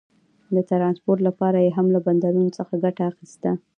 د ټرانسپورټ لپاره یې هم له بندرونو ګټه اخیسته.